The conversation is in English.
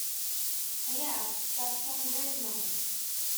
Yes, that seems reasonable.